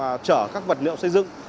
và các phương tiện chở các vật liệu xây dựng